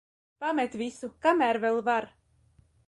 Pamet visu, kamēr vēl var.